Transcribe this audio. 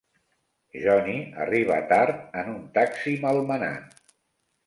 Johnny arriba tard en un taxi malmenat.